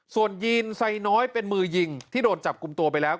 ส่วนยีนไซน้อยเป็นมือยิงที่โดนจับกลุ่มตัวไปแล้ว